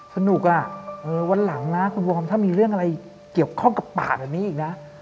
สนุกอ่ะวันหลังนะคุณวอร์มถ้ามีเรื่องอะไรเกี่ยวข้องกับป่าแบบนี้อีกนะ